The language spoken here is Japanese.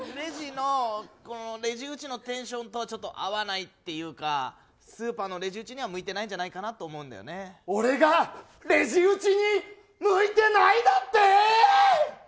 レジ打ちのテンションとはちょっと合わないっていうかスーパーのレジ打ちには向いていないんじゃないかなと俺がレジ打ちに向いてないだってー？